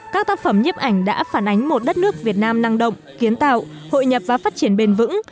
các tác phẩm nhiếp ảnh đã phản ánh một đất nước việt nam năng động kiến tạo hội nhập và phát triển bền vững